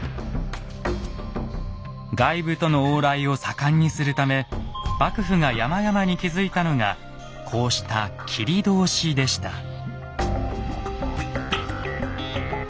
外部との往来を盛んにするため幕府が山々に築いたのがこうした切通でした。